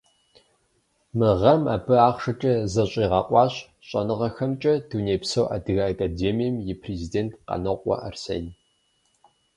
Мы гъэм абы ахъшэкӏэ защӏигъэкъуащ Щӏэныгъэхэмкӏэ Дунейпсо Адыгэ Академием и президент Къанокъуэ Арсен.